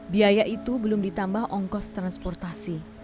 biaya itu belum ditambah ongkos transportasi